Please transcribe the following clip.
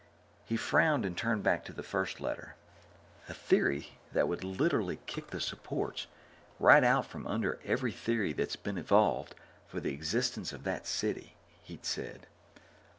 He frowned and turned back to the first letter. A theory that would "literally kick the supports right out from under every theory that's been evolved for the existence of that city," he'd said.